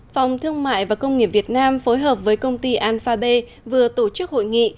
phòng thương mại và công nghiệp việt nam phối hợp với công ty alphabet vừa tổ chức hội nghị